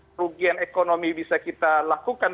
kerugian ekonomi bisa kita lakukan